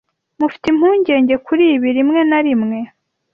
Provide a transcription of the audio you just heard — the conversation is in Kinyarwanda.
Mufite impungenge kuri ibi rimwe na rimwe.